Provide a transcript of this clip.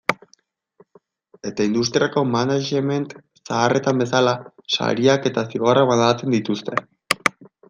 Eta industriako management zaharretan bezala, sariak eta zigorrak banatzen dituzte.